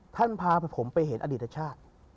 พาผมไปเห็นอดีตชาติ